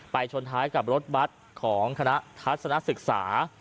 ชนท้ายกับรถบัตรของคณะทัศนศึกษา